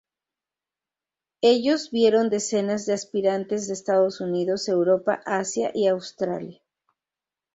Ellos vieron decenas de aspirantes de Estados Unidos, Europa, Asia y Australia.